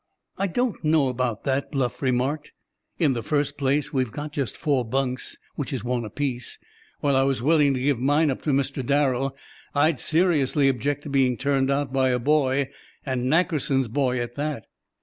"I don't know about that," Bluff remarked. "In the first place we've got just four bunks, which is one apiece. While I was willing to give mine up to Mr. Darrel, I'd seriously object to being turned out by a boy, and Nackerson's boy at that."